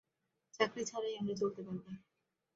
চাকরি ছাড়াই আমরা চলতে পারব।